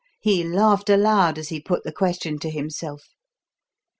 He laughed aloud as he put the question to himself.